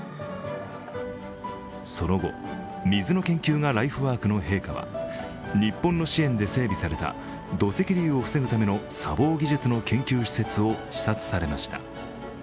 その後、水の研究がライフワークの陛下は日本の支援で整備された土石流を防ぐための砂防技術の研究施設を視察されました。